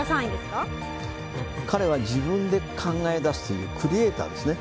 彼は自分で考え出すというクリエーターですね。